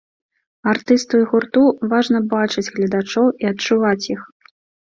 Артысту і гурту важна бачыць гледачоў і адчуваць іх.